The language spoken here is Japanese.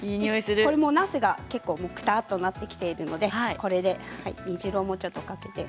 なすがくたっとなってきているので、これで煮汁をもうちょっとかけて。